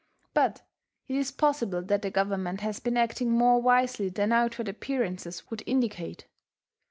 But it is possible that the Government has been acting more wisely than outward appearances would indicate.